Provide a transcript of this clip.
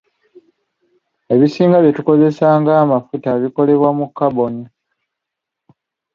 Ebisinga bye tukozesa ng'amafuta bikolebwa mu kaboni.